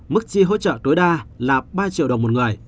mức chi hỗ trợ tối đa là ba triệu đồng một người